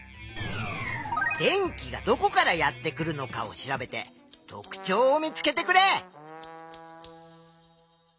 電気がどこからやってくるのかを調べて特ちょうを見つけてくれ！